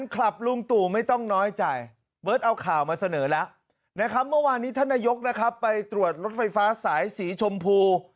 ลุงตู่ไม่ต้องน้อยใจเบิร์ตเอาข่าวมาเสนอแล้วนะครับเมื่อวานนี้ท่านนายกนะครับไปตรวจรถไฟฟ้าสายสีชมพู